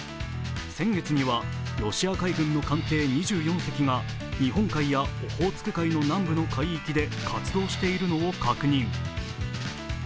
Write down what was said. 先月にはロシア海軍の艦艇２４隻が日本海やオホーツク海の南部の海域で活動しているのを確認。